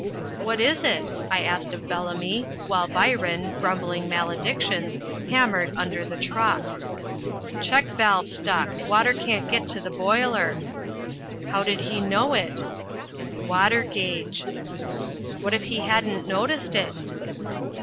"What is it?" I asked of Bellamy, while Byron, grumbling maledictions, hammered under the truck. "Check valve stuck; water can't get into the boiler." "How did he know it?" "Water gage." "What if he hadn't noticed it?"